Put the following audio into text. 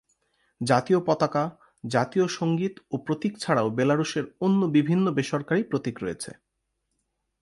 জাতীয় পতাকা, জাতীয় সঙ্গীত ও প্রতীক ছাড়াও বেলারুশের অন্য বিভিন্ন বেসরকারী প্রতীক রয়েছে।